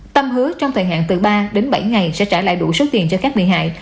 tâm hứa trong thời hạn từ ba đến bảy ngày sẽ trả lại đủ số tiền cho các bị hại